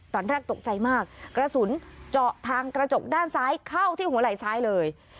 ตอนแรกตกใจมากกระสุนเจาะทางกระจกด้านซ้ายเข้าที่หัวไหล่ซ้ายเลย